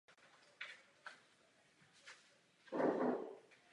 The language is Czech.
Všechny ostatní melodie složil Jiří Šlitr.